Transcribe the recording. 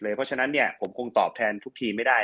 เพราะฉะนั้นผมคงตอบแทนทุกทีมไม่ได้